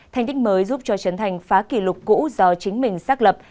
thành tích mới giúp cho trấn thành phá kỷ lục cũ do chính mình xác lập